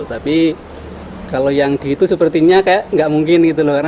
tapi kalau yang di itu sepertinya kayak nggak mungkin gitu loh